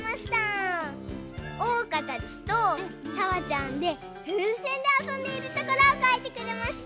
おうかたちとさわちゃんでふうせんであそんでいるところをかいてくれました。